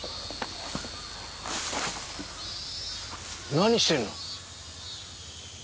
何してんの？